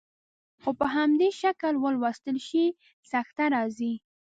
خو په همدې شکل ولوستل شي سکته راځي.